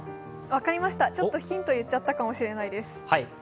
分かりました、ちょっとヒント言っちゃったかもしれないです